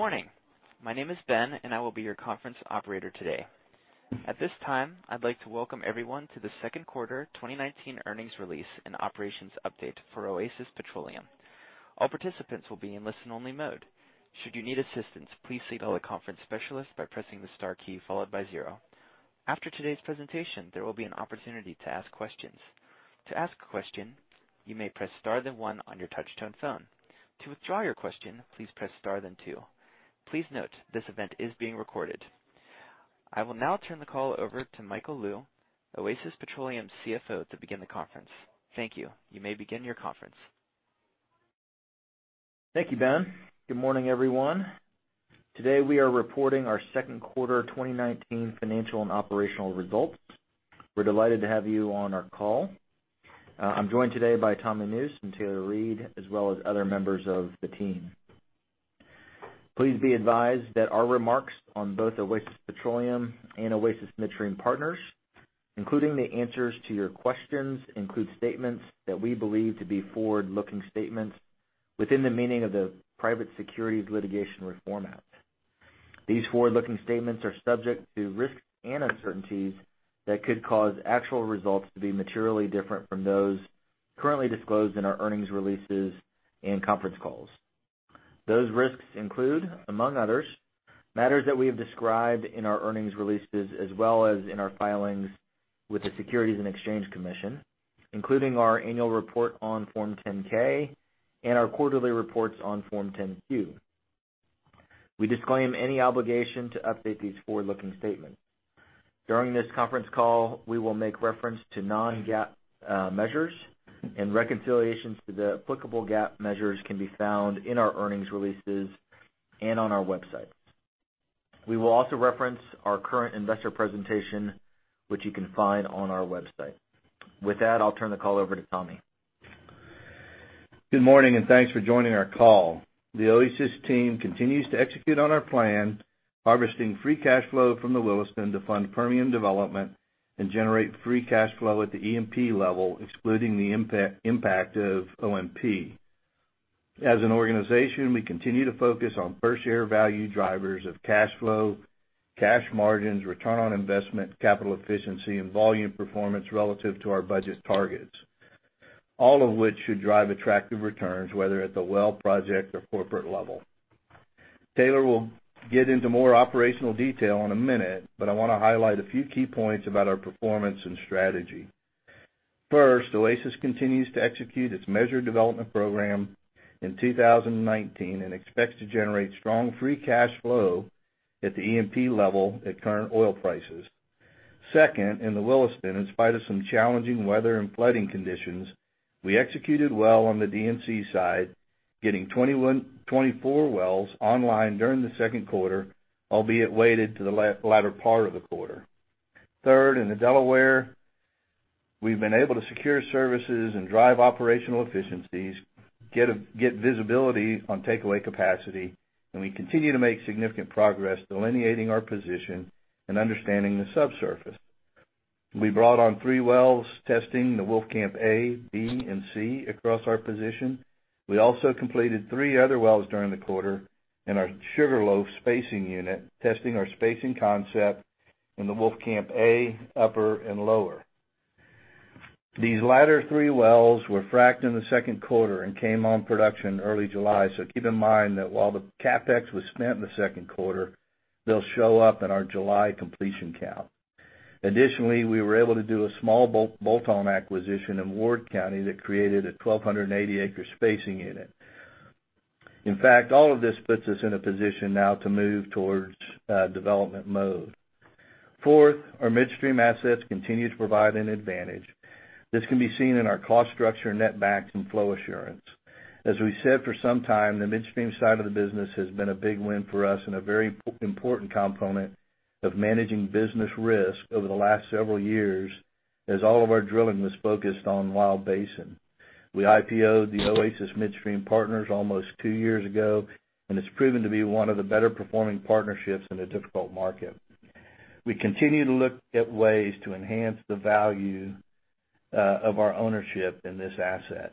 Good morning. My name is Ben, and I will be your conference operator today. At this time, I'd like to welcome everyone to the second quarter 2019 earnings release and operations update for Oasis Petroleum. All participants will be in listen-only mode. Should you need assistance, please signal the conference specialist by pressing the star key followed by zero. After today's presentation, there will be an opportunity to ask questions. To ask a question, you may press star, then one on your touch-tone phone. To withdraw your question, please press star, then two. Please note, this event is being recorded. I will now turn the call over to Michael Lou, Oasis Petroleum's CFO, to begin the conference. Thank you. You may begin your conference. Thank you, Ben. Good morning, everyone. Today, we are reporting our second quarter 2019 financial and operational results. We're delighted to have you on our call. I'm joined today by Tommy Nusz and Taylor Reid, as well as other members of the team. Please be advised that our remarks on both Oasis Petroleum and Oasis Midstream Partners, including the answers to your questions, include statements that we believe to be forward-looking statements within the meaning of the Private Securities Litigation Reform Act. These forward-looking statements are subject to risks and uncertainties that could cause actual results to be materially different from those currently disclosed in our earnings releases and conference calls. Those risks include, among others, matters that we have described in our earnings releases as well as in our filings with the Securities and Exchange Commission, including our annual report on Form 10-K and our quarterly reports on Form 10-Q. We disclaim any obligation to update these forward-looking statements. During this conference call, we will make reference to non-GAAP measures and reconciliations to the applicable GAAP measures can be found in our earnings releases and on our website. We will also reference our current investor presentation, which you can find on our website. With that, I'll turn the call over to Tommy. Good morning, and thanks for joining our call. The Oasis team continues to execute on our plan, harvesting free cash flow from the Williston to fund Permian development and generate free cash flow at the E&P level, excluding the impact of OMP. As an organization, we continue to focus on first-year value drivers of cash flow, cash margins, return on investment, capital efficiency, and volume performance relative to our budget targets. All of which should drive attractive returns, whether at the well project or corporate level. Taylor will get into more operational detail in a minute, but I want to highlight a few key points about our performance and strategy. First, Oasis continues to execute its measured development program in 2019 and expects to generate strong free cash flow at the E&P level at current oil prices. Second, in the Williston, in spite of some challenging weather and flooding conditions, we executed well on the D&C side, getting 24 wells online during the second quarter, albeit weighted to the latter part of the quarter. Third, in the Delaware, we've been able to secure services and drive operational efficiencies, get visibility on takeaway capacity. We continue to make significant progress delineating our position and understanding the subsurface. We brought on three wells testing the Wolfcamp A, B, and C across our position. We also completed three other wells during the quarter in our Sugarloaf spacing unit, testing our spacing concept in the Wolfcamp A, upper and lower. These latter three wells were fracked in the second quarter and came on production early July. Keep in mind that while the CapEx was spent in the second quarter, they'll show up in our July completion count. Additionally, we were able to do a small bolt-on acquisition in Ward County that created a 1,280-acre spacing unit. In fact, all of this puts us in a position now to move towards development mode. Fourth, our midstream assets continue to provide an advantage. This can be seen in our cost structure, net backs, and flow assurance. As we said for some time, the midstream side of the business has been a big win for us and a very important component of managing business risk over the last several years, as all of our drilling was focused on Williston Basin. We IPO-ed the Oasis Midstream Partners almost two years ago, and it's proven to be one of the better-performing partnerships in a difficult market. We continue to look at ways to enhance the value of our ownership in this asset.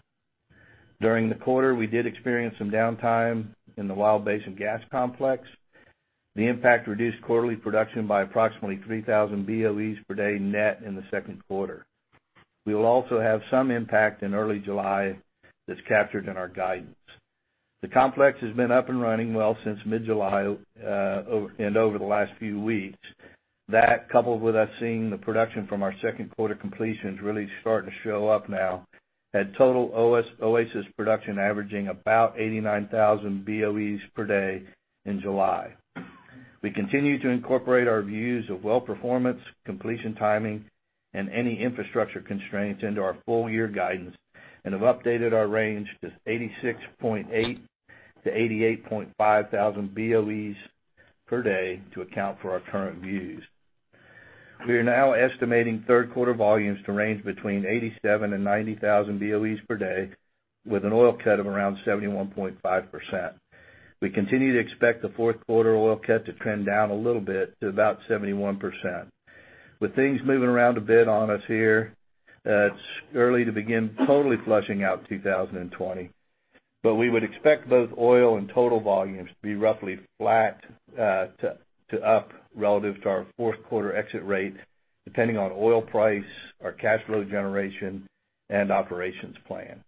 During the quarter, we did experience some downtime in the Wild Basin gas complex. The impact reduced quarterly production by approximately 3,000 BOEs per day net in the second quarter. We will also have some impact in early July that's captured in our guidance. The complex has been up and running well since mid-July and over the last few weeks. That, coupled with us seeing the production from our second quarter completions, really starting to show up now had total Oasis production averaging about 89,000 BOEs per day in July. We continue to incorporate our views of well performance, completion timing, and any infrastructure constraints into our full year guidance and have updated our range to 86.8 thousand BOEs per day-88.5 thousand BOEs per day to account for our current views. We are now estimating third-quarter volumes to range between 87 and 90,000 BOEs per day with an oil cut of around 71.5%. We continue to expect the fourth quarter oil cut to trend down a little bit to about 71%. With things moving around a bit on us here. It's early to begin totally flushing out 2020, but we would expect both oil and total volumes to be roughly flat to up relative to our fourth quarter exit rate, depending on oil price, our cash flow generation, and operations plan.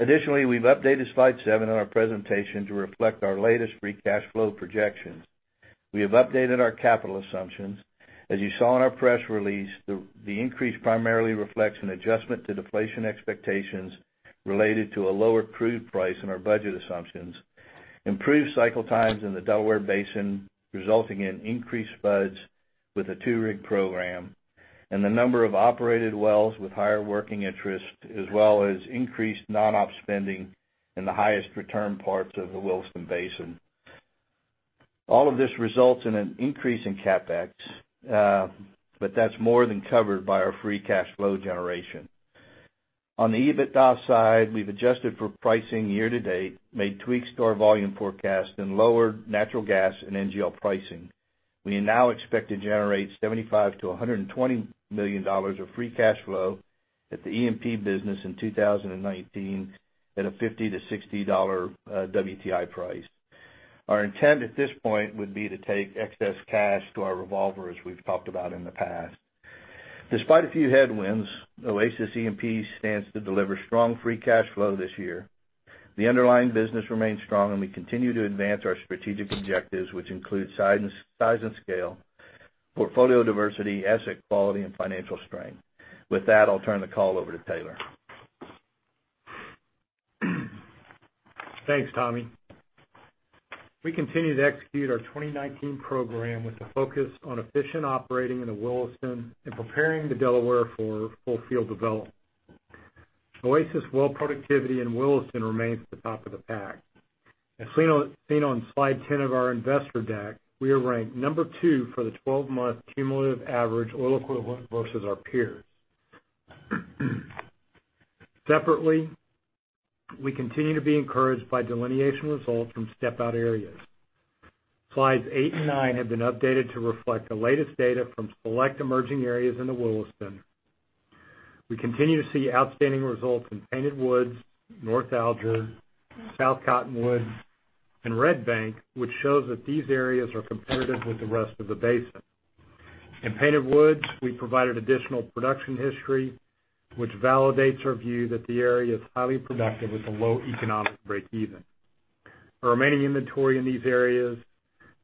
Additionally, we've updated slide seven on our presentation to reflect our latest free cash flow projections. We have updated our capital assumptions. As you saw in our press release, the increase primarily reflects an adjustment to deflation expectations related to a lower crude price in our budget assumptions, improved cycle times in the Delaware Basin, resulting in increased spuds with a two-rig program, and the number of operated wells with higher working interest, as well as increased non-op spending in the highest return parts of the Williston Basin. All of this results in an increase in CapEx, but that's more than covered by our free cash flow generation. On the EBITDA side, we've adjusted for pricing year to date, made tweaks to our volume forecast, and lowered natural gas and NGL pricing. We now expect to generate $75 million-$120 million of free cash flow at the E&P business in 2019 at a $50-$60 WTI price. Our intent at this point would be to take excess cash to our revolver, as we've talked about in the past. Despite a few headwinds, Oasis E&P stands to deliver strong free cash flow this year. The underlying business remains strong, and we continue to advance our strategic objectives, which include size and scale, portfolio diversity, asset quality, and financial strength. With that, I'll turn the call over to Taylor. Thanks, Tommy. We continue to execute our 2019 program with a focus on efficient operating in the Williston and preparing the Delaware for full field development. Oasis well productivity in Williston remains at the top of the pack. As seen on slide 10 of our investor deck, we are ranked number 2 for the 12-month cumulative average oil equivalent versus our peers. Separately, we continue to be encouraged by delineation results from step-out areas. Slides eight and nine have been updated to reflect the latest data from select emerging areas in the Williston. We continue to see outstanding results in Painted Woods, North Alger, South Cottonwood, and Red Bank, which shows that these areas are competitive with the rest of the basin. In Painted Woods, we provided additional production history, which validates our view that the area is highly productive with a low economic break-even. Our remaining inventory in these areas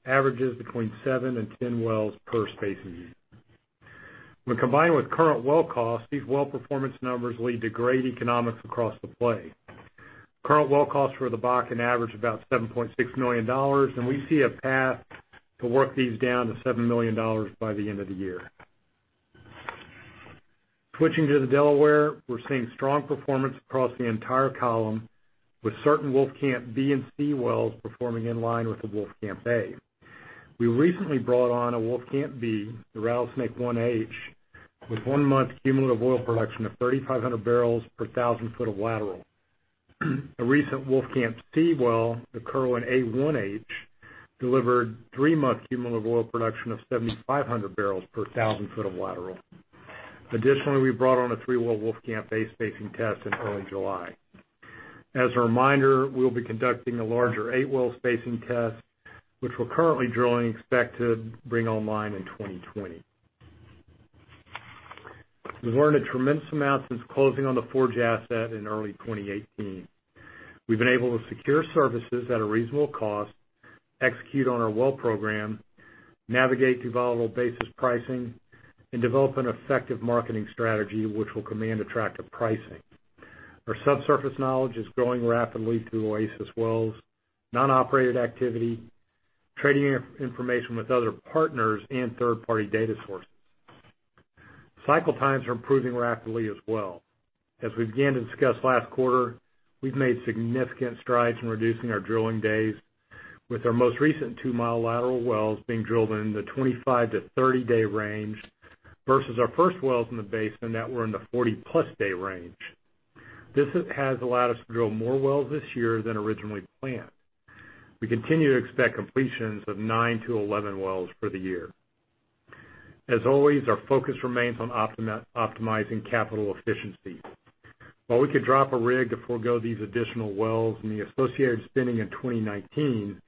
averages between seven and 10 wells per spacing unit. When combined with current well costs, these well performance numbers lead to great economics across the play. Current well costs for the Bakken average about $7.6 million, and we see a path to work these down to $7 million by the end of the year. Switching to the Delaware, we're seeing strong performance across the entire column, with certain Wolfcamp B and C wells performing in line with the Wolfcamp A. We recently brought on a Wolfcamp B, the Rattlesnake 1H, with one-month cumulative oil production of 3,500 barrels per 1,000 foot of lateral. A recent Wolfcamp C well, the Kerwin A1H, delivered three-month cumulative oil production of 7,500 barrels per 1,000 foot of lateral. Additionally, we brought on a three-well Wolfcamp A spacing test in early July. As a reminder, we'll be conducting a larger eight-well spacing test, which we're currently drilling, expect to bring online in 2020. We've learned a tremendous amount since closing on the Forge asset in early 2018. We've been able to secure services at a reasonable cost, execute on our well program, navigate through volatile basis pricing, and develop an effective marketing strategy which will command attractive pricing. Our subsurface knowledge is growing rapidly through Oasis wells, non-operated activity, trading information with other partners, and third-party data sources. Cycle times are improving rapidly as well. As we began to discuss last quarter, we've made significant strides in reducing our drilling days with our most recent two-mile lateral wells being drilled in the 25- to 30-day range versus our first wells in the basin that were in the 40-plus day range. This has allowed us to drill more wells this year than originally planned. We continue to expect completions of nine to 11 wells for the year. As always, our focus remains on optimizing capital efficiency. While we could drop a rig to forego these additional wells and the associated spending in 2019,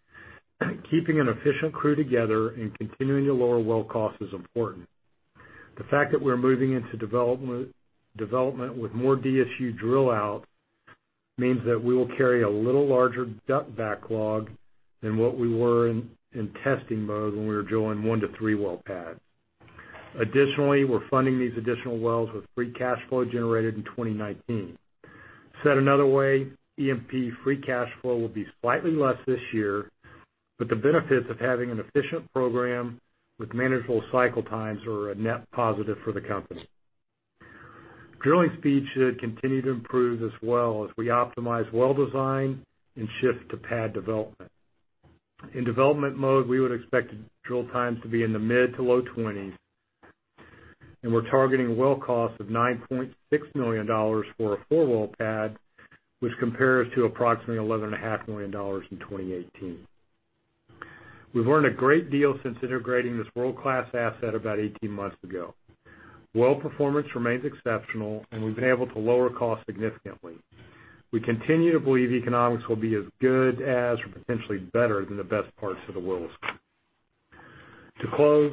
keeping an efficient crew together and continuing to lower well cost is important. The fact that we're moving into development with more DSU drill out means that we will carry a little larger DUC backlog than what we were in testing mode when we were drilling one to three-well pad. Additionally, we're funding these additional wells with free cash flow generated in 2019. Said another way, E&P free cash flow will be slightly less this year, the benefits of having an efficient program with manageable cycle times are a net positive for the company. Drilling speed should continue to improve as well as we optimize well design and shift to pad development. In development mode, we would expect drill times to be in the mid to low 20s, and we're targeting well costs of $9.6 million for a four-well pad, which compares to approximately $11.5 million in 2018. We've learned a great deal since integrating this world-class asset about 18 months ago. Well performance remains exceptional, and we've been able to lower costs significantly. We continue to believe economics will be as good as, or potentially better than, the best parts of the Williston. To close,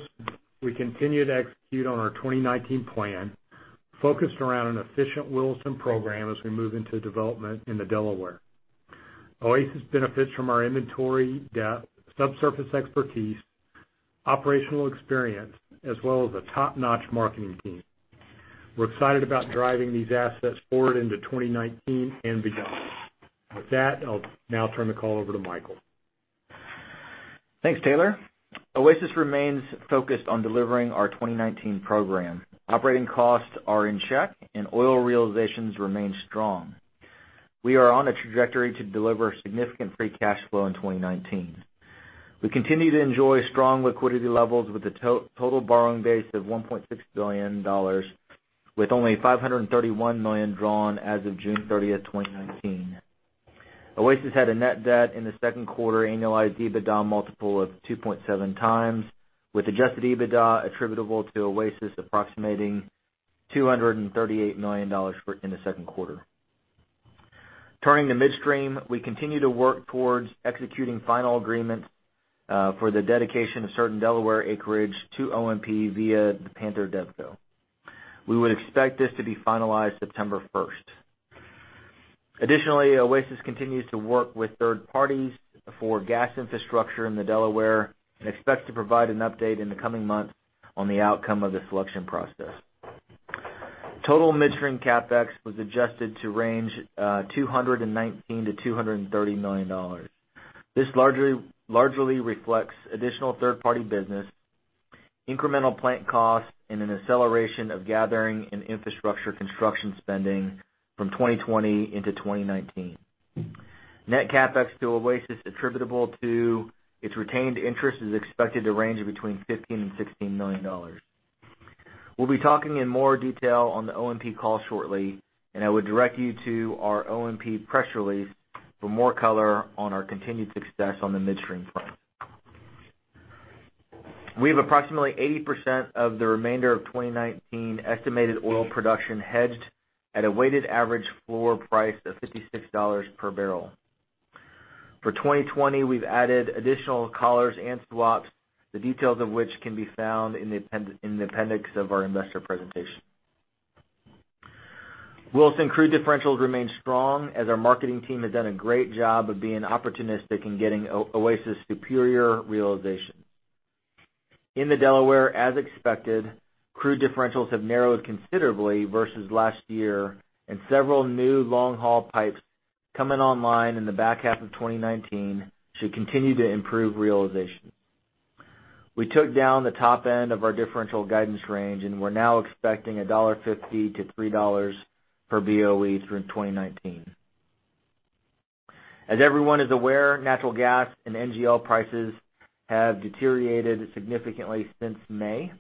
we continue to execute on our 2019 plan, focused around an efficient Williston program as we move into development in the Delaware. Oasis benefits from our inventory depth, subsurface expertise, operational experience, as well as a top-notch marketing team. We're excited about driving these assets forward into 2019 and beyond. With that, I'll now turn the call over to Michael. Thanks, Taylor. Oasis remains focused on delivering our 2019 program. Operating costs are in check, oil realizations remain strong. We are on a trajectory to deliver significant free cash flow in 2019. We continue to enjoy strong liquidity levels with a total borrowing base of $1.6 billion, with only $531 million drawn as of June 30th, 2019. Oasis had a net debt in the second quarter annualized EBITDA multiple of 2.7 times, with adjusted EBITDA attributable to Oasis approximating $238 million in the second quarter. Turning to midstream, we continue to work towards executing final agreements for the dedication of certain Delaware acreage to OMP via the Panther DevCo. We would expect this to be finalized September 1st. Oasis continues to work with third parties for gas infrastructure in the Delaware and expects to provide an update in the coming months on the outcome of the selection process. Total midstream CapEx was adjusted to range $219 million-$230 million. This largely reflects additional third-party business, incremental plant costs, and an acceleration of gathering and infrastructure construction spending from 2020 into 2019. Net CapEx to Oasis attributable to its retained interest is expected to range between $15 million-$16 million. We'll be talking in more detail on the OMP call shortly, and I would direct you to our OMP press release for more color on our continued success on the midstream front. We have approximately 80% of the remainder of 2019 estimated oil production hedged at a weighted average floor price of $56 per barrel. For 2020, we've added additional collars and swaps, the details of which can be found in the appendix of our investor presentation. Williston crude differentials remain strong, as our marketing team has done a great job of being opportunistic in getting Oasis superior realization. In the Delaware, as expected, crude differentials have narrowed considerably versus last year, and several new long-haul pipes coming online in the back half of 2019 should continue to improve realization. We took down the top end of our differential guidance range, and we're now expecting $1.50-$3 per BOE through 2019. As everyone is aware, natural gas and NGL prices have deteriorated significantly since May.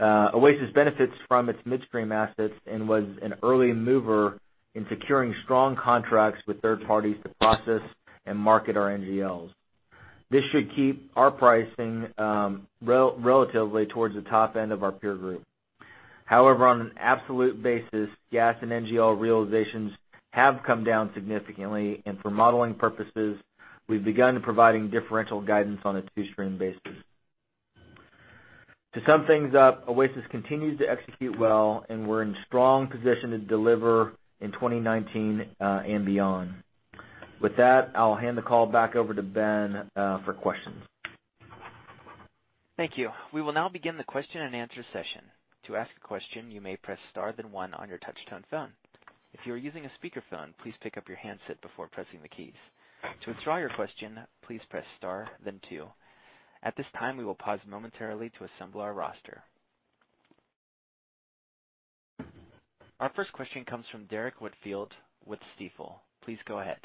Oasis benefits from its midstream assets and was an early mover in securing strong contracts with third parties to process and market our NGLs. This should keep our pricing relatively towards the top end of our peer group. However, on an absolute basis, gas and NGL realizations have come down significantly, and for modeling purposes, we've begun providing differential guidance on a two-stream basis. To sum things up, Oasis continues to execute well, and we're in strong position to deliver in 2019 and beyond. With that, I'll hand the call back over to Ben for questions. Thank you. We will now begin the question and answer session. To ask a question, you may press star, then one on your touch-tone phone. If you are using a speakerphone, please pick up your handset before pressing the keys. To withdraw your question, please press star, then two. At this time, we will pause momentarily to assemble our roster. Our first question comes from Derrick Whitfield with Stifel. Please go ahead.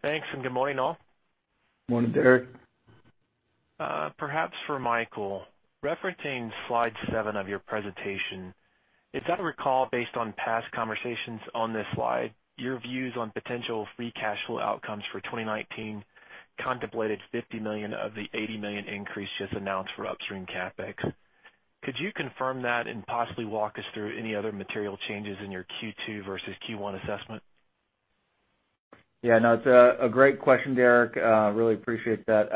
Thanks, good morning, all. Morning, Derrick. Perhaps for Michael, referencing slide seven of your presentation, if I recall, based on past conversations on this slide, your views on potential free cash flow outcomes for 2019 contemplated $50 million of the $80 million increase just announced for upstream CapEx. Could you confirm that and possibly walk us through any other material changes in your Q2 versus Q1 assessment? No, it's a great question, Derrick. Really appreciate that.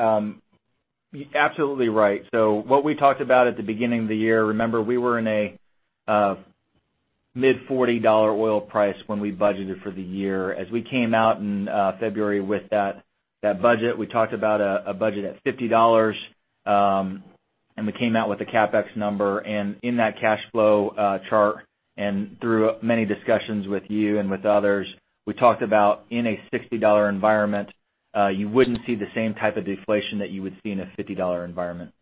You're absolutely right. What we talked about at the beginning of the year, remember, we were in a mid-$40 oil price when we budgeted for the year. As we came out in February with that budget, we talked about a budget at $50, and we came out with a CapEx number. In that cash flow chart, and through many discussions with you and with others, we talked about in a $60 environment, you wouldn't see the same type of deflation that you would see in a $50 environment.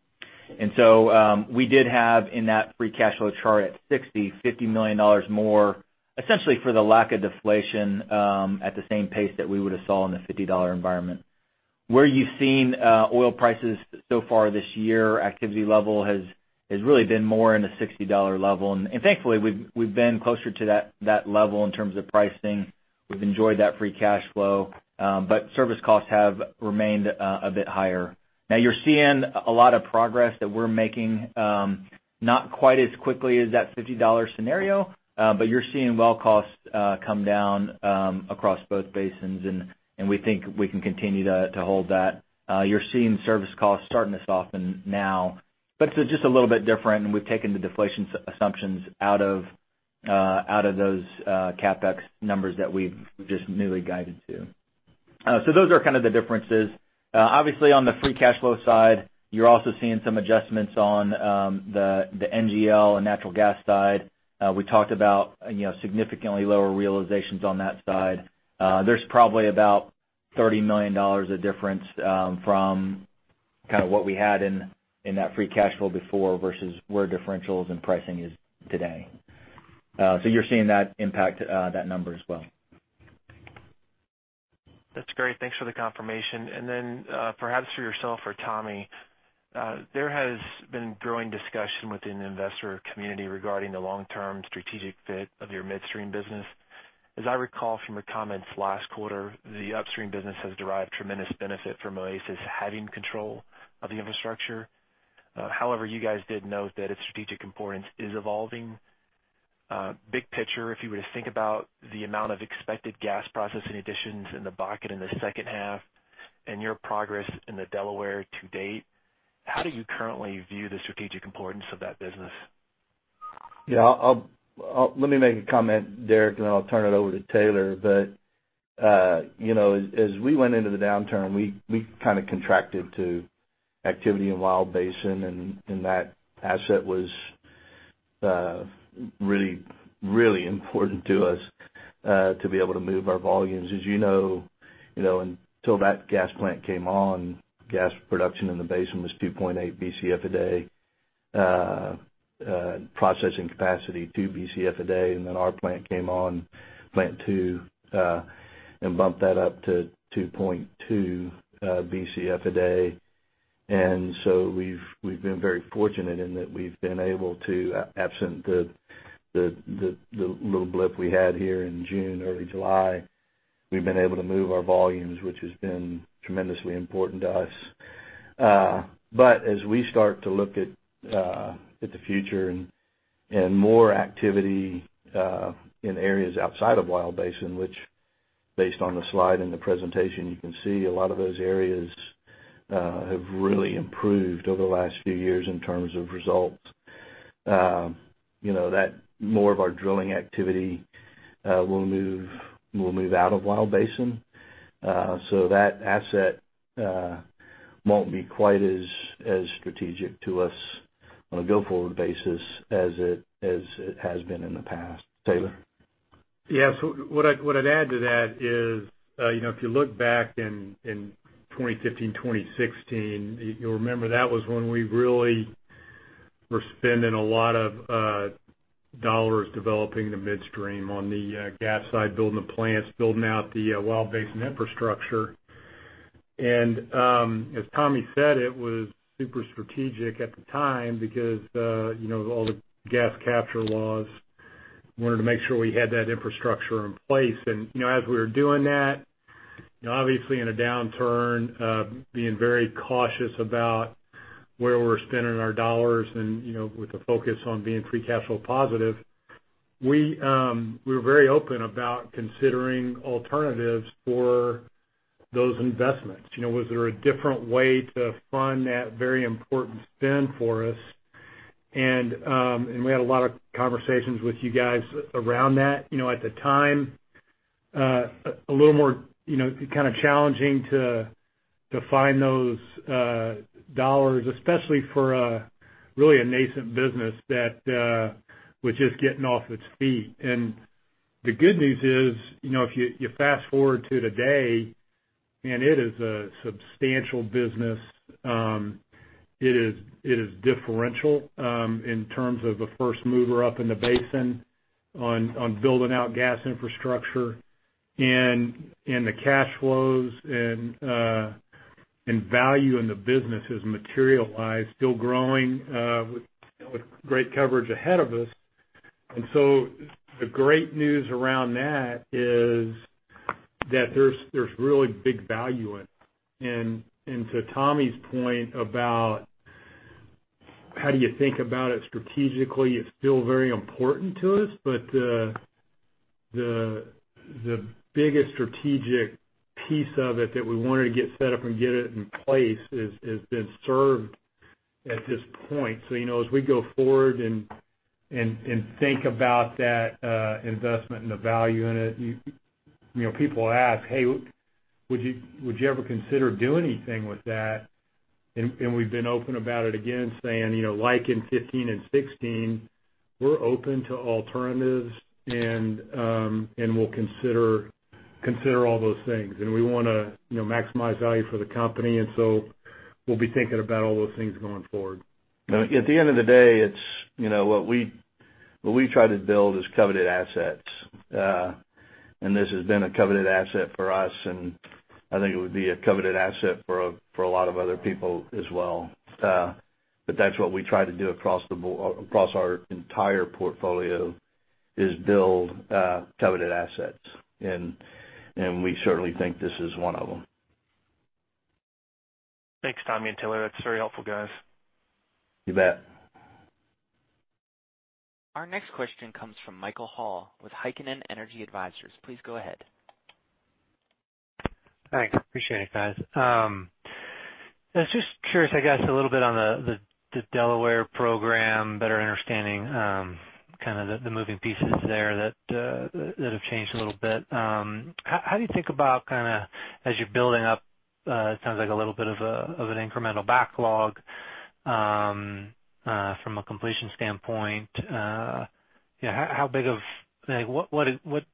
We did have in that free cash flow chart at $60, $50 million more, essentially for the lack of deflation at the same pace that we would have saw in the $50 environment. Where you've seen oil prices so far this year, activity level has really been more in the $60 level. Thankfully, we've been closer to that level in terms of pricing. We've enjoyed that free cash flow. Service costs have remained a bit higher. Now you're seeing a lot of progress that we're making, not quite as quickly as that $50 scenario. You're seeing well costs come down across both basins, and we think we can continue to hold that. You're seeing service costs starting to soften now, but it's just a little bit different, and we've taken the deflation assumptions out of those CapEx numbers that we've just newly guided to. Those are the differences. Obviously, on the free cash flow side, you're also seeing some adjustments on the NGL and natural gas side. We talked about significantly lower realizations on that side. There's probably about $30 million of difference from what we had in that free cash flow before versus where differentials in pricing is today. You're seeing that impact that number as well. That's great. Thanks for the confirmation. Then, perhaps for yourself or Tommy, there has been growing discussion within the investor community regarding the long-term strategic fit of your midstream business. As I recall from your comments last quarter, the upstream business has derived tremendous benefit from Oasis having control of the infrastructure. You guys did note that its strategic importance is evolving. Big picture, if you were to think about the amount of expected gas processing additions in the Bakken in the second half and your progress in the Delaware to date, how do you currently view the strategic importance of that business? Yeah. Let me make a comment, Derrick, and then I'll turn it over to Taylor. As we went into the downturn, we contracted to activity in Williston Basin, and that asset was really important to us to be able to move our volumes. As you know, until that gas plant came on, gas production in the basin was 2.8 Bcf a day, processing capacity, 2 Bcf a day, and then our plant came on, plant two, and bumped that up to 2.2 Bcf a day. We've been very fortunate in that we've been able to, absent the little blip we had here in June, early July, we've been able to move our volumes, which has been tremendously important to us. As we start to look at the future and more activity in areas outside of Wild Basin, which based on the slide in the presentation, you can see a lot of those areas have really improved over the last few years in terms of results. That more of our drilling activity will move out of Wild Basin. That asset won't be quite as strategic to us on a go-forward basis as it has been in the past. Taylor? Yeah. What I'd add to that is, if you look back in 2015, 2016, you'll remember that was when we really were spending a lot of dollars developing the midstream on the gas side, building the plants, building out the Wild Basin infrastructure. As Tommy said, it was super strategic at the time because all the gas capture laws, we wanted to make sure we had that infrastructure in place. As we were doing that, obviously in a downturn, being very cautious about where we're spending our dollars and with the focus on being free cash flow positive, we were very open about considering alternatives for those investments. Was there a different way to fund that very important spend for us? We had a lot of conversations with you guys around that. At the time, a little more challenging to find those dollars, especially for really a nascent business that was just getting off its feet. The good news is, if you fast-forward to today, and it is a substantial business. It is differential in terms of the first mover up in the basin on building out gas infrastructure, and the cash flows and value in the business has materialized, still growing with great coverage ahead of us. The great news around that is that there's really big value in it. To Tommy's point about how do you think about it strategically, it's still very important to us, but the biggest strategic piece of it that we wanted to get set up and get it in place has been served at this point. As we go forward and think about that investment and the value in it, people ask, "Hey, would you ever consider doing anything with that?" We've been open about it, again, saying, like in 2015 and 2016, we're open to alternatives, and we'll consider all those things. We want to maximize value for the company, and so we'll be thinking about all those things going forward. At the end of the day, what we try to build is coveted assets. This has been a coveted asset for us, and I think it would be a coveted asset for a lot of other people as well. That's what we try to do across our entire portfolio, is build coveted assets. We certainly think this is one of them. Thanks, Tommy and Taylor. That's very helpful, guys. You bet. Our next question comes from Michael Hall with Heikkinen Energy Advisors. Please go ahead. Thanks. Appreciate it, guys. I was just curious, I guess, a little bit on the Delaware program, better understanding the moving pieces there that have changed a little bit. How do you think about, as you're building up, it sounds like a little bit of an incremental backlog from a completion standpoint? What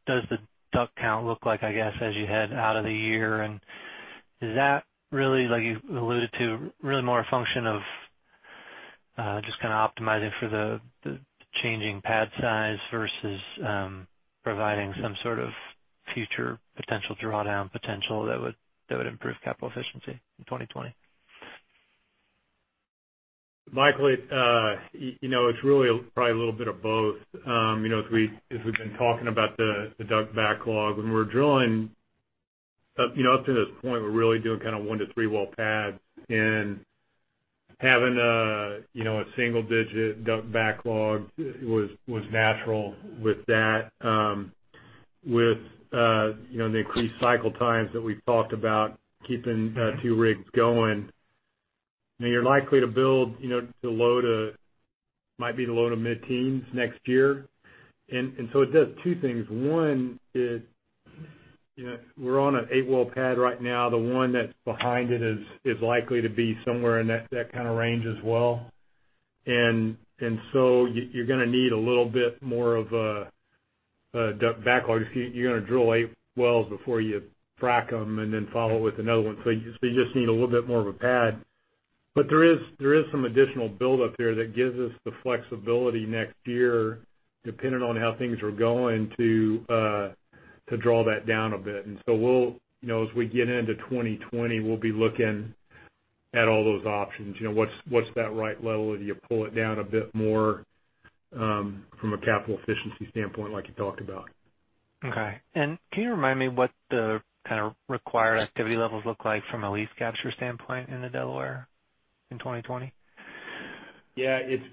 does the DUC count look like, I guess, as you head out of the year? Is that really, like you alluded to, really more a function of just optimizing for the changing pad size versus providing some sort of future potential drawdown potential that would improve capital efficiency in 2020? Michael, it's really probably a little bit of both. As we've been talking about the DUC backlog, when we're drilling up to this point, we're really doing one to three-well pads and having a single-digit DUC backlog was natural with that. With the increased cycle times that we've talked about, keeping two rigs going, you're likely to build to low to mid-teens next year. It does two things. One is, we're on an eight-well pad right now. The one that's behind it is likely to be somewhere in that kind of range as well. You're going to need a little bit more of a DUC backlog if you're going to drill eight wells before you frack them and then follow with another one. You just need a little bit more of a pad. There is some additional buildup there that gives us the flexibility next year, depending on how things are going, to draw that down a bit. As we get into 2020, we'll be looking at all those options. What's that right level? Do you pull it down a bit more from a capital efficiency standpoint, like you talked about? Okay. Can you remind me what the required activity levels look like from a lease capture standpoint in the Delaware in 2020? Yeah, it's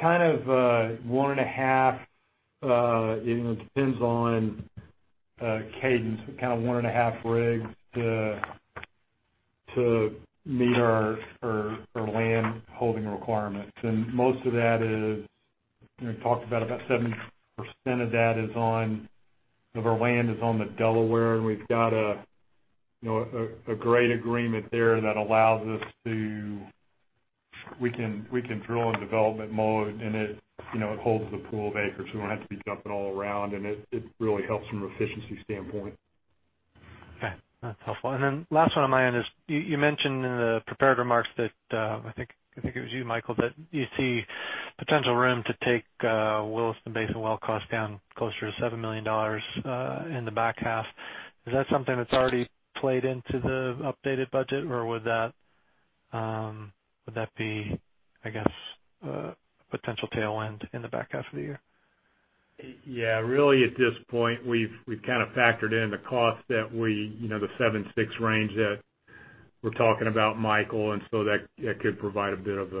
kind of a one and a half. It depends on cadence, one and a half rigs to meet our landholding requirements. Most of that is, we talked about 70% of our land is on the Delaware, and we've got a great agreement there that We can drill in development mode, and it holds the pool of acres. We don't have to be jumping all around, and it really helps from an efficiency standpoint. Okay. That's helpful. Last one on my end is, you mentioned in the prepared remarks that, I think it was you, Michael, that you see potential room to take Williston Basin well cost down closer to $7 million in the back half. Is that something that's already played into the updated budget, or would that be, I guess, a potential tail end in the back half of the year? Yeah. Really, at this point, we've kind of factored in the cost, the 7-6 range that we're talking about, Michael. That could provide a bit of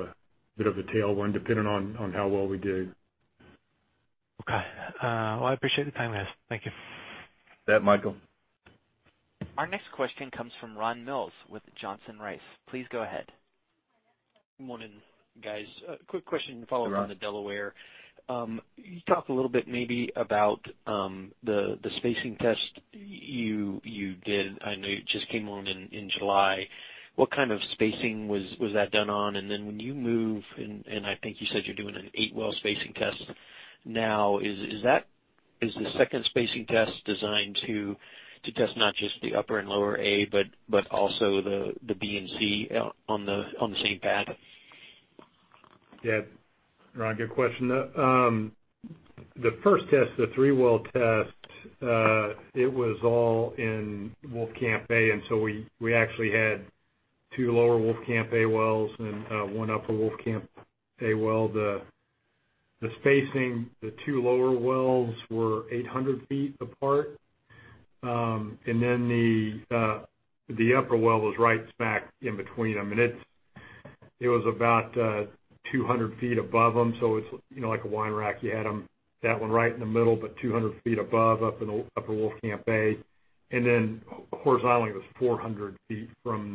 a tailwind depending on how well we do. Okay. Well, I appreciate the time, guys. Thank you. You bet, Michael. Our next question comes from Ron Mills with Johnson Rice. Please go ahead. Morning, guys. Quick question. Hey, Ron. on the Delaware. Can you talk a little bit maybe about the spacing test you did? I know you just came on in July. What kind of spacing was that done on? When you move, and I think you said you're doing an eight-well spacing test now, is the second spacing test designed to test not just the upper and lower A, but also the B and C on the same pad? Ron, good question. The first test, the three-well test, it was all in Wolfcamp A. We actually had two lower Wolfcamp A wells and one upper Wolfcamp A well. The spacing, the two lower wells were 800 feet apart. The upper well was right back in between them, and it was about 200 feet above them, so it's like a wine rack. You had that one right in the middle, but 200 feet above, up in the upper Wolfcamp A. Horse Island was 400 feet from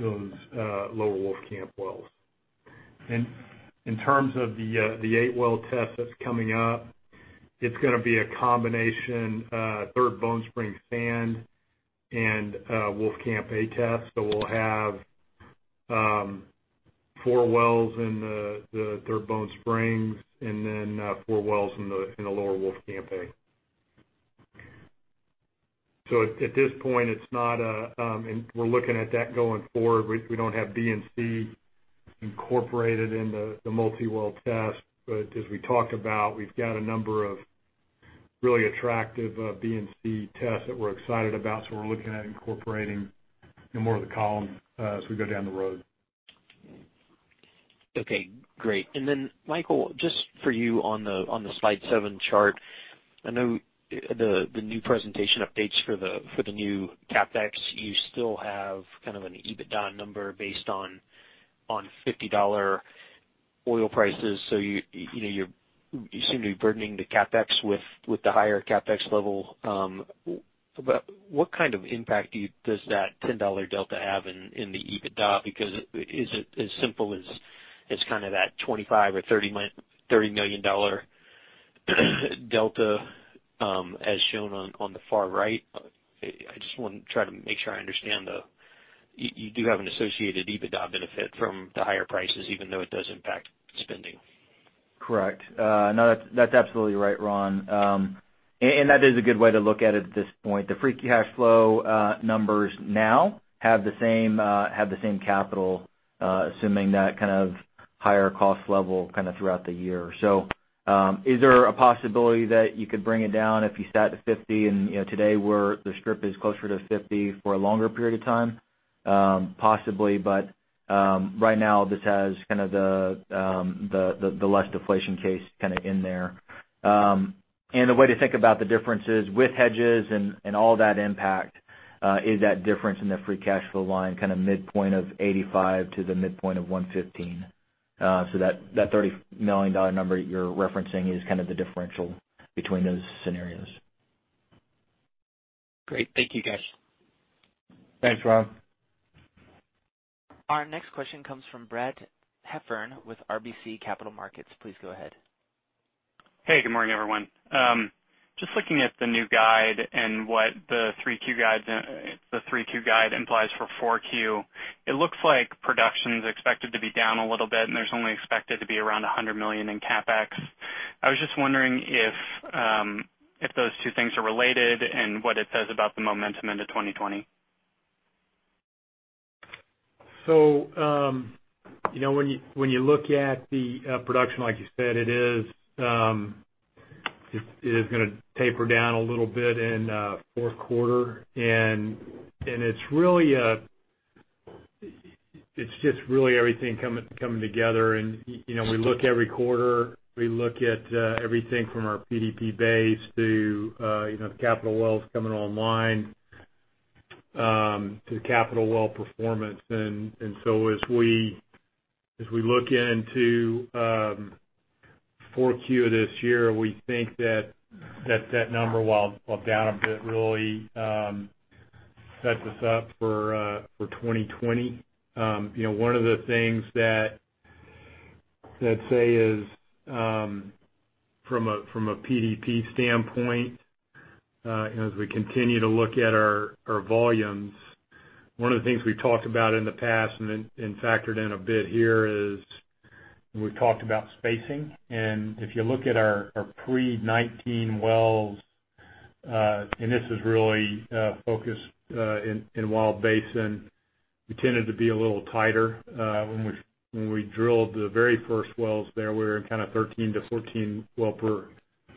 those lower Wolfcamp wells. In terms of the eight-well test that's coming up, it's going to be a combination Third Bone Spring sand and Wolfcamp A test. We'll have four wells in the Third Bone Springs and then four wells in the lower Wolfcamp A. At this point, we're looking at that going forward. We don't have B and C incorporated in the multi-well test. As we talked about, we've got a number of really attractive, B and C tests that we're excited about. We're looking at incorporating more of the column as we go down the road. Okay, great. Michael, just for you on the slide seven chart, I know the new presentation updates for the new CapEx, you still have kind of an EBITDA number based on $50 oil prices. You seem to be burdening the CapEx with the higher CapEx level. What kind of impact does that $10 delta have in the EBITDA? Is it as simple as kind of that $25 or $30 million delta, as shown on the far right? I just want to try to make sure I understand the. You do have an associated EBITDA benefit from the higher prices, even though it does impact spending. Correct. No, that's absolutely right, Ron. That is a good way to look at it at this point. The free cash flow numbers now have the same capital, assuming that kind of higher cost level kind of throughout the year. Is there a possibility that you could bring it down if you sat at 50 and today the strip is closer to 50 for a longer period of time? Possibly, right now this has kind of the less deflation case in there. The way to think about the differences with hedges and all that impact is that difference in the free cash flow line, kind of midpoint of 85 to the midpoint of 115. That $30 million number you're referencing is kind of the differential between those scenarios. Great. Thank you, guys. Thanks, Ron. Our next question comes from Brad Heffern with RBC Capital Markets. Please go ahead. Hey, good morning, everyone. Just looking at the new guide and what the 3Q guide implies for 4Q, it looks like production's expected to be down a little bit, and there's only expected to be around $100 million in CapEx. I was just wondering if those two things are related and what it says about the momentum into 2020. When you look at the production, like you said, it is going to taper down a little bit in fourth quarter. It's just really everything coming together and we look every quarter. We look at everything from our PDP base to the capital wells coming online to capital well performance. As we look into four Q this year, we think that number while down a bit really sets us up for 2020. One of the things that I'd say is, from a PDP standpoint, as we continue to look at our volumes, one of the things we've talked about in the past and factored in a bit here is we've talked about spacing. If you look at our pre-'19 wells, and this is really focused in Wild Basin, we tended to be a little tighter. When we drilled the very first wells there, we were in 13-14 well per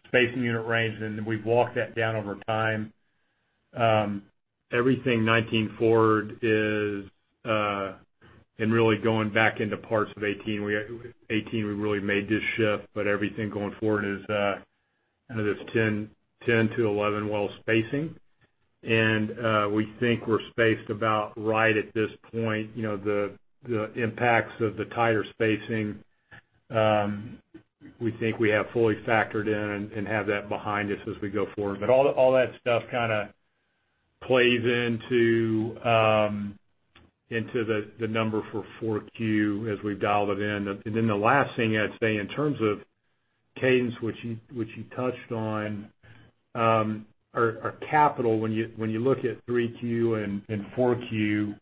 spacing unit range. We've walked that down over time. Really going back into parts of 2018, we really made this shift, but everything going forward is this 10-11 well spacing. We think we're spaced about right at this point. The impacts of the tighter spacing, we think we have fully factored in and have that behind us as we go forward. All that stuff kind of plays into the number for 4Q as we've dialed it in. The last thing I'd say in terms of cadence, which you touched on, our capital, when you look at 3Q and 4Q,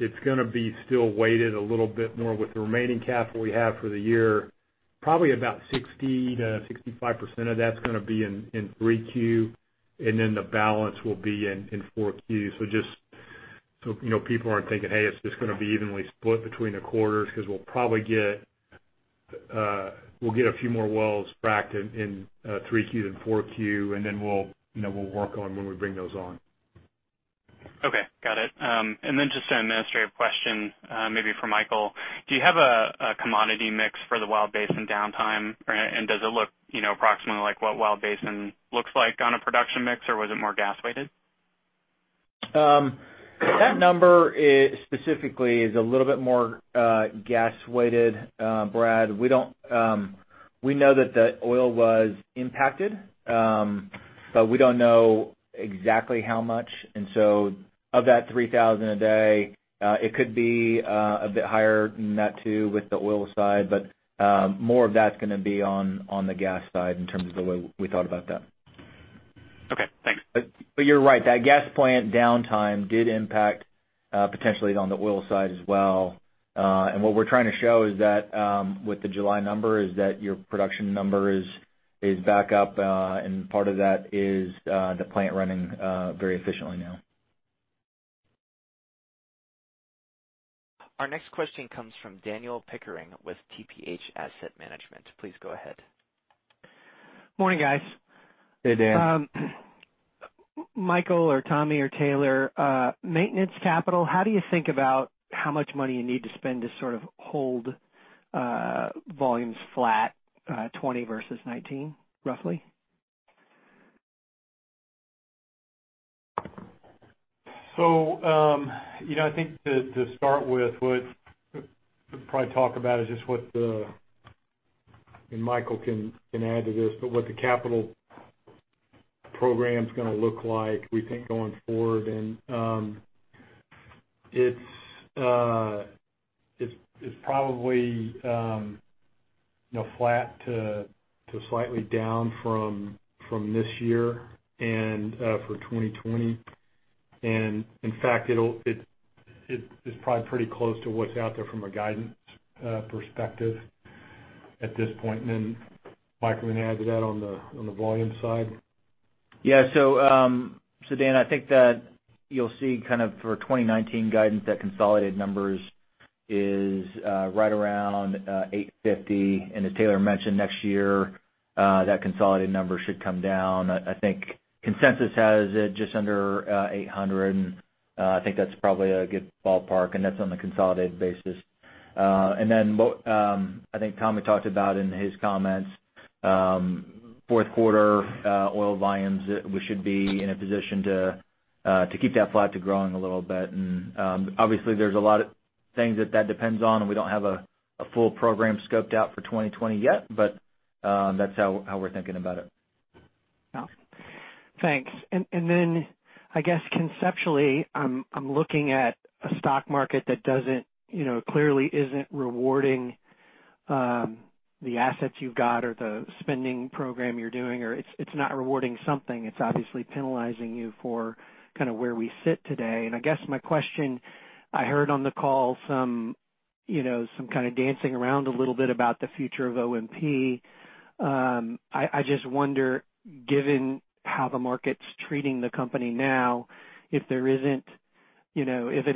it's going to be still weighted a little bit more with the remaining capital we have for the year. Probably about 60%-65% of that's going to be in three Q, and then the balance will be in four Q. Just so people aren't thinking, "Hey, it's just going to be evenly split between the quarters," because we'll get a few more wells fracked in three Q than four Q, and then we'll work on when we bring those on. Okay. Got it. Just an administrative question, maybe for Michael. Do you have a commodity mix for the Wild Basin downtime? Does it look approximately like what Wild Basin looks like on a production mix, or was it more gas-weighted? That number specifically is a little bit more gas-weighted, Brad. We know that the oil was impacted, but we don't know exactly how much. Of that 3,000 a day, it could be a bit higher net too with the oil side, but more of that's going to be on the gas side in terms of the way we thought about that. Okay, thanks. You're right. That gas plant downtime did impact potentially on the oil side as well. What we're trying to show is that, with the July number, is that your production number is back up, and part of that is the plant running very efficiently now. Our next question comes from Dan Pickering with TPH Asset Management. Please go ahead. Morning, guys. Hey, Dan. Michael or Tommy or Taylor, maintenance capital, how do you think about how much money you need to spend to sort of hold volumes flat, 2020 versus 2019, roughly? I think to start with, what we'll probably talk about is just what the capital program's going to look like we think going forward. Michael can add to this. It's probably flat to slightly down from this year and for 2020. In fact, it's probably pretty close to what's out there from a guidance perspective at this point. Then Michael can add to that on the volume side. Yeah. Dan, I think that you'll see for 2019 guidance, that consolidated numbers is right around 850. As Taylor mentioned, next year, that consolidated number should come down. I think consensus has it just under 800, and I think that's probably a good ballpark, and that's on a consolidated basis. Then, I think Tommy talked about in his comments, fourth quarter oil volumes, we should be in a position to keep that flat to growing a little bit. Obviously there's a lot of things that depends on, and we don't have a full program scoped out for 2020 yet, but that's how we're thinking about it. Yeah. Thanks. I guess conceptually, I'm looking at a stock market that clearly isn't rewarding the assets you've got or the spending program you're doing, or it's not rewarding something. It's obviously penalizing you for where we sit today. I guess my question, I heard on the call some kind of dancing around a little bit about the future of OMP. I just wonder, given how the market's treating the company now, if it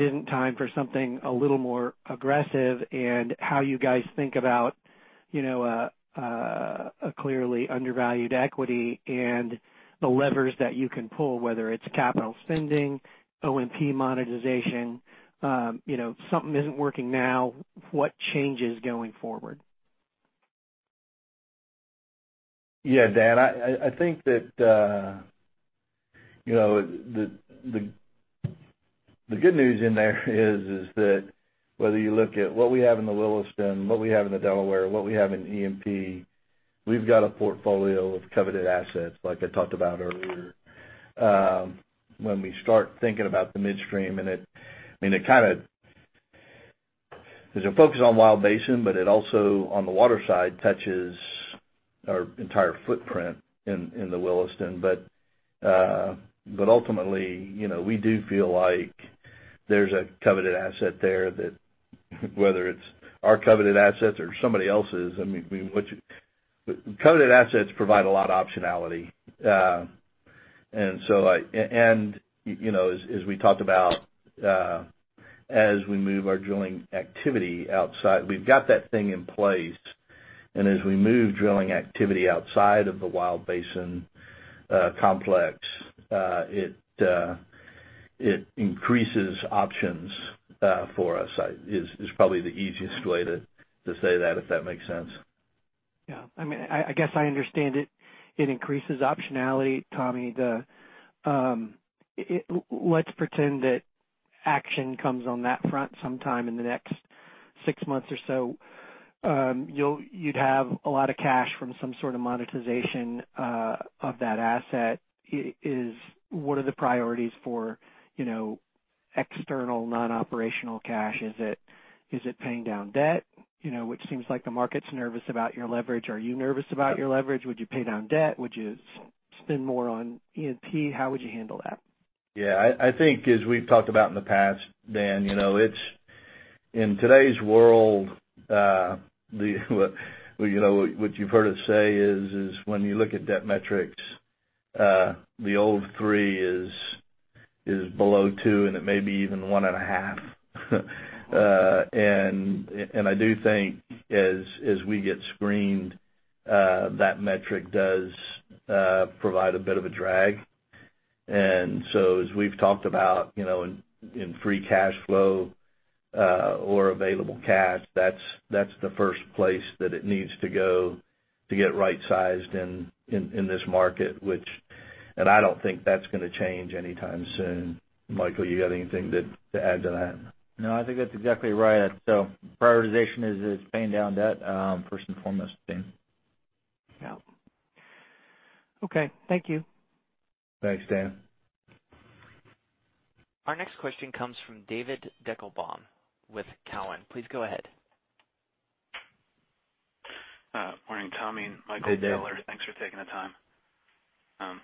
isn't time for something a little more aggressive and how you guys think about a clearly undervalued equity and the levers that you can pull, whether it's capital spending, OMP monetization. Something isn't working now, what changes going forward? Yeah, Dan, I think that the good news in there is that whether you look at what we have in the Williston, what we have in the Delaware, what we have in E&P, we've got a portfolio of coveted assets like I talked about earlier. When we start thinking about the midstream, and there's a focus on Wild Basin, but it also, on the water side, touches our entire footprint in the Williston. Ultimately, we do feel like there's a coveted asset there that whether it's our coveted assets or somebody else's, coveted assets provide a lot of optionality. As we talked about as we move our drilling activity outside, we've got that thing in place, and as we move drilling activity outside of the Wild Basin complex, it increases options for us, is probably the easiest way to say that, if that makes sense. Yeah. I guess I understand it. It increases optionality, Tommy. Let's pretend that action comes on that front sometime in the next six months or so. You'd have a lot of cash from some sort of monetization of that asset. What are the priorities for external non-operational cash? Is it paying down debt? Which seems like the market's nervous about your leverage. Are you nervous about your leverage? Would you pay down debt? Would you spend more on E&P? How would you handle that? Yeah. I think as we've talked about in the past, Dan, in today's world, what you've heard us say is when you look at debt metrics, the old three is below two, and it may be even one and a half. I do think as we get screened, that metric does provide a bit of a drag. So as we've talked about in free cash flow or available cash, that's the first place that it needs to go to get right-sized in this market, and I don't think that's going to change anytime soon. Michael, you got anything to add to that? No, I think that's exactly right. Prioritization is paying down debt first and foremost, Dan. Yeah. Okay. Thank you. Thanks, Dan. Our next question comes from David Deckelbaum with Cowen. Please go ahead. Morning, Tommy and Michael and Taylor. Hey, Dave. Thanks for taking the time.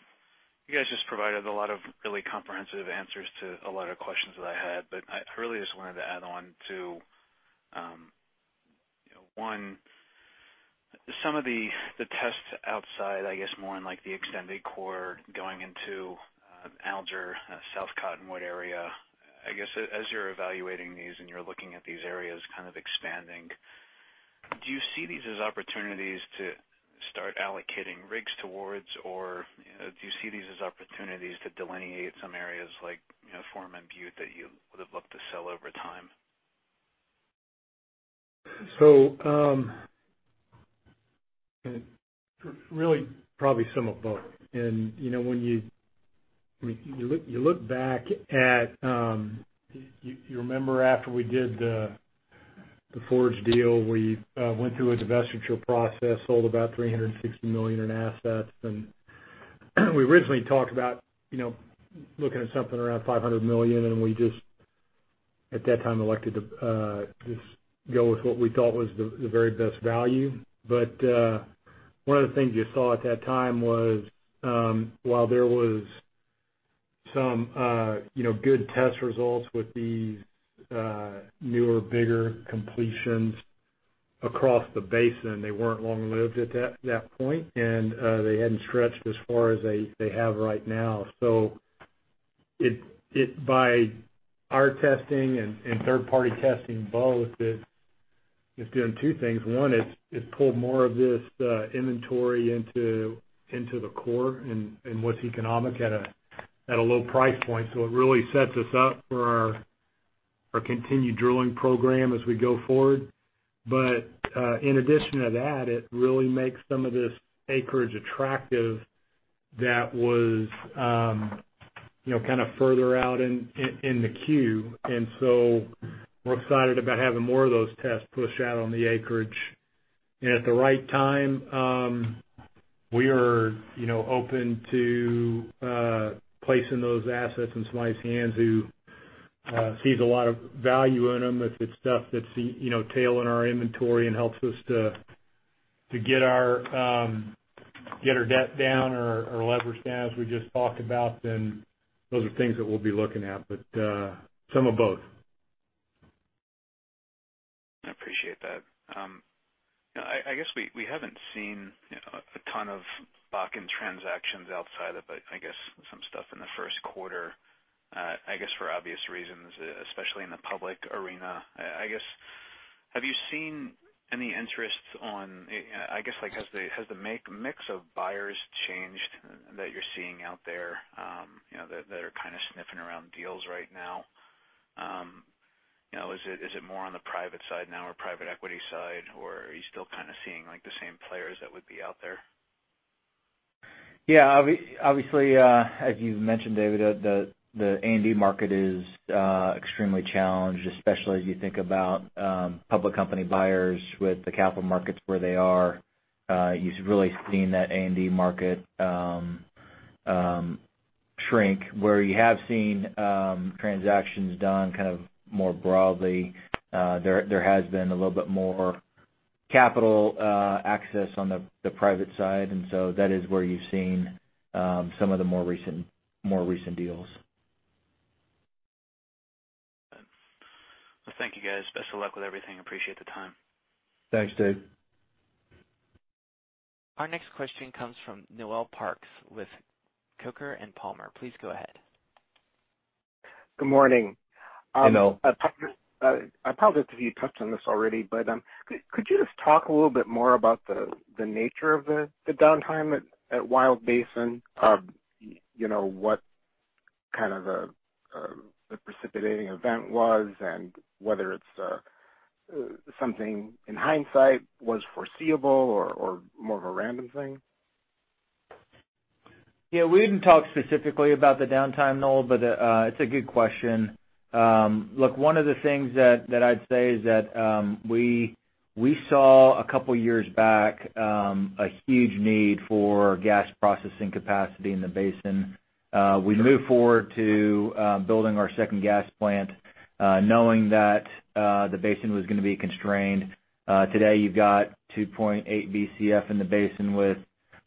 You guys just provided a lot of really comprehensive answers to a lot of questions that I had, but I really just wanted to add on to one. Some of the tests outside, I guess more in the extended core going into Alger, South Cottonwood area. I guess as you're evaluating these and you're looking at these areas expanding, do you see these as opportunities to start allocating rigs towards, or do you see these as opportunities to delineate some areas like Foreman Butte that you would have looked to sell over time? Really probably some of both. When you look back at-- you remember after we did the Forge deal, we went through a divestiture process, sold about $360 million in assets, we originally talked about looking at something around $500 million, we just, at that time, elected to just go with what we thought was the very best value. One of the things you saw at that time was, while there was some good test results with these newer, bigger completions across the basin, they weren't long-lived at that point, and they hadn't stretched as far as they have right now. By our testing and third-party testing both, it's doing two things. One is it's pulled more of this inventory into the core and what's economic at a low price point, it really sets us up for our continued drilling program as we go forward. In addition to that, it really makes some of this acreage attractive that was further out in the queue. So we're excited about having more of those tests push out on the acreage. At the right time, we are open to placing those assets in somebody's hands who sees a lot of value in them. If it's stuff that's tailing our inventory and helps us to get our debt down or our leverage down, as we just talked about, then those are things that we'll be looking at. Some of both. I appreciate that. I guess we haven't seen a ton of Bakken transactions outside of, I guess, some stuff in the first quarter, I guess, for obvious reasons, especially in the public arena. I guess, have you seen any interest? I guess, has the mix of buyers changed that you're seeing out there that are sniffing around deals right now? Is it more on the private side now or private equity side, or are you still seeing the same players that would be out there? Obviously, as you've mentioned, David, the A&D market is extremely challenged, especially as you think about public company buyers with the capital markets where they are. You've really seen that A&D market shrink. Where you have seen transactions done more broadly, there has been a little bit more capital access on the private side, that is where you've seen some of the more recent deals. Well, thank you, guys. Best of luck with everything. Appreciate the time. Thanks, Dave. Our next question comes from Noel Parks with Coker & Palmer. Please go ahead. Good morning. Hey, Noel. I apologize if you touched on this already, but could you just talk a little bit more about the nature of the downtime at Wild Basin? What the precipitating event was and whether it's something, in hindsight, was foreseeable or more of a random thing? We didn't talk specifically about the downtime, Noel, but it's a good question. One of the things that I'd say is that we saw a couple of years back a huge need for gas processing capacity in the basin. We moved forward to building our second gas plant knowing that the basin was going to be constrained. Today, you've got 2.8 BCF in the basin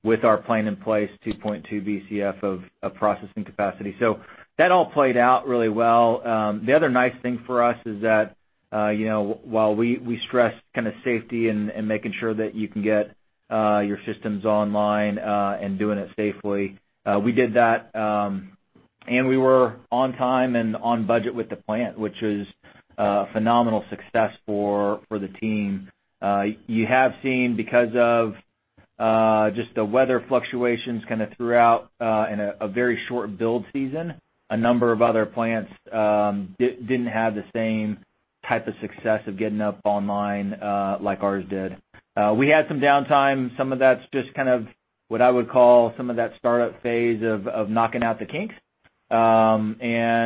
with our plan in place, 2.2 BCF of processing capacity. That all played out really well. The other nice thing for us is that while we stress safety and making sure that you can get your systems online and doing it safely, we did that, and we were on time and on budget with the plant, which is a phenomenal success for the team. You have seen, because of just the weather fluctuations throughout in a very short build season, a number of other plants didn't have the same type of success of getting up online like ours did. We had some downtime. Some of that's just what I would call some of that startup phase of knocking out the kinks. It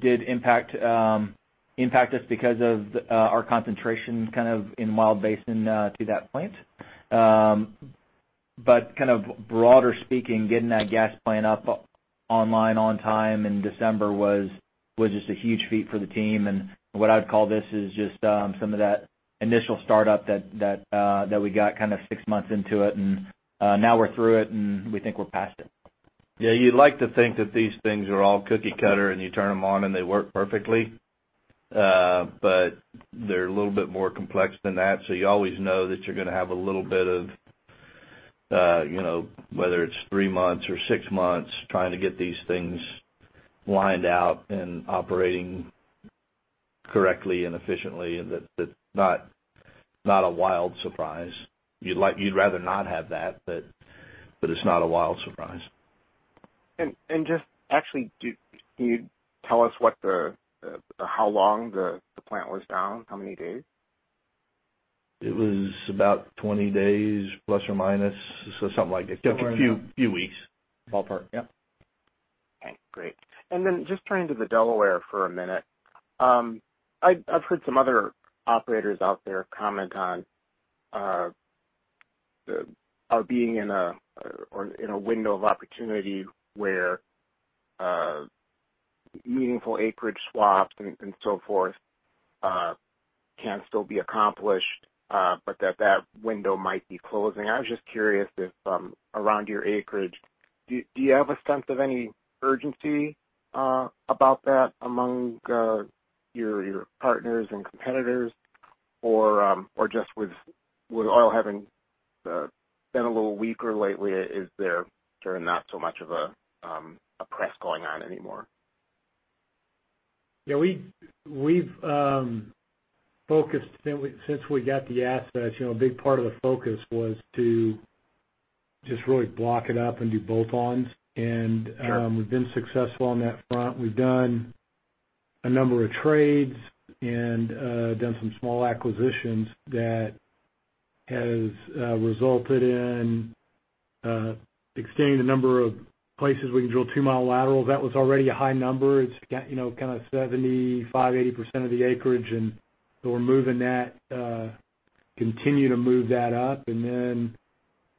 did impact us because of our concentration in Wild Basin to that plant. Broader speaking, getting that gas plant up online on time in December was just a huge feat for the team, and what I'd call this is just some of that initial startup that we got six months into it, and now we're through it and we think we're past it. Yeah, you'd like to think that these things are all cookie cutter and you turn them on and they work perfectly. They're a little bit more complex than that. You always know that you're going to have a little bit of, whether it's three months or six months, trying to get these things lined out and operating correctly and efficiently. That's not a wild surprise. You'd rather not have that. It's not a wild surprise. Just actually, can you tell us how long the plant was down? How many days? It was about 20 days, plus or minus, so something like a few weeks. Ballpark. Yep. Okay, great. Just turning to the Delaware for a minute. I've heard some other operators out there comment on being in a window of opportunity where meaningful acreage swaps and so forth can still be accomplished, but that window might be closing. I was just curious if, around your acreage, do you have a sense of any urgency about that among your partners and competitors? Just with oil having been a little weaker lately, is there not so much of a press going on anymore? Yeah, we've focused since we got the assets. A big part of the focus was to just really block it up and do bolt-ons. Sure. We've been successful on that front. We've done a number of trades and done some small acquisitions that has resulted in extending the number of places we can drill 2-mile laterals. That was already a high number. It's kind of 75%, 80% of the acreage, and so we're moving that, continue to move that up, and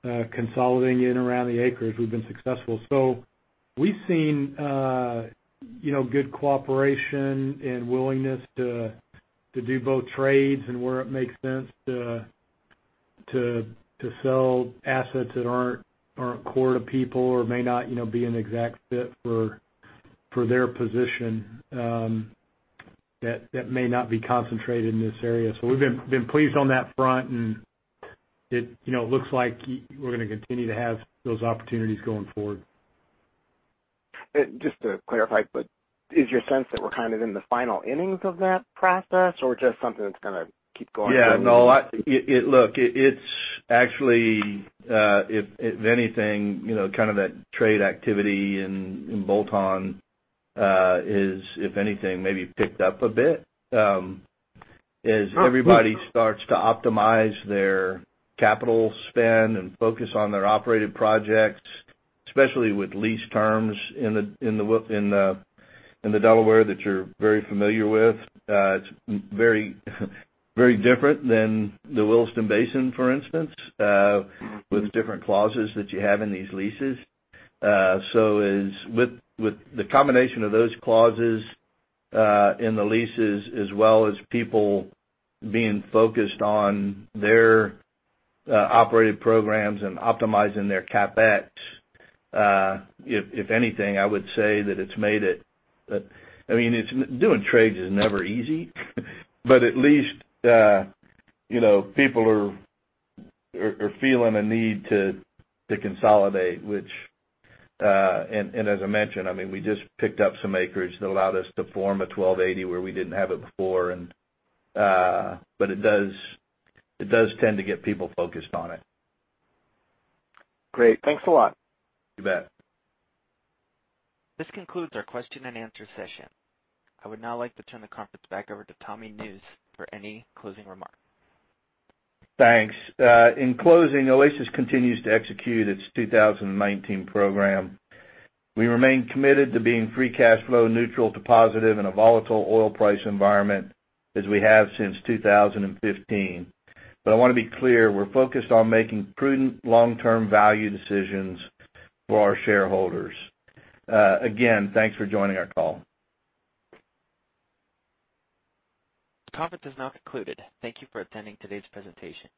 then consolidating it around the acreage. We've been successful. We've seen good cooperation and willingness to do both trades and where it makes sense to sell assets that aren't core to people or may not be an exact fit for their position that may not be concentrated in this area. We've been pleased on that front, and it looks like we're going to continue to have those opportunities going forward. Just to clarify, is your sense that we're kind of in the final innings of that process or just something that's going to keep going? Yeah. No. Look, it's actually if anything, kind of that trade activity and bolt-on is, if anything, maybe picked up a bit. Everybody starts to optimize their capital spend and focus on their operated projects, especially with lease terms in the Delaware that you're very familiar with. It's very different than the Williston Basin, for instance, with different clauses that you have in these leases. With the combination of those clauses in the leases as well as people being focused on their operated programs and optimizing their CapEx, if anything, I would say that Doing trades is never easy, but at least people are feeling a need to consolidate, and as I mentioned, we just picked up some acreage that allowed us to form a 1280 where we didn't have it before. It does tend to get people focused on it. Great. Thanks a lot. You bet. This concludes our question and answer session. I would now like to turn the conference back over to Tommy Nusz for any closing remarks. Thanks. In closing, Oasis continues to execute its 2019 program. We remain committed to being free cash flow neutral to positive in a volatile oil price environment as we have since 2015. I want to be clear, we're focused on making prudent long-term value decisions for our shareholders. Again, thanks for joining our call. The conference has now concluded. Thank you for attending today's presentation.